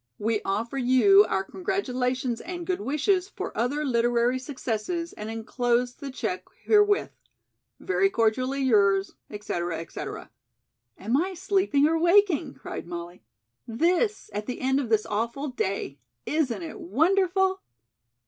We offer you our congratulations and good wishes for other literary successes and enclose the check herewith. Very cordially yours, etc., etc.'" "Am I sleeping or waking?" cried Molly. "This, at the end of this awful day! Isn't it wonderful?"